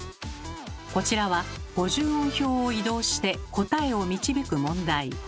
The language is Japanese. こちらは５０音表を移動して答えを導く問題。